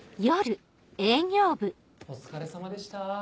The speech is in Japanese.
お疲れさまでした。